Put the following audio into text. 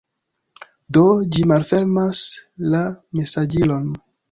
Do, ĝi malfermas la mesaĝilon